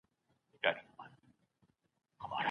هغوی هڅه کوله چې ځان خوندي کړي.